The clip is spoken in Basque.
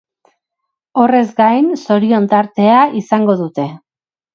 Horrez gain, zorion tartea izango dute.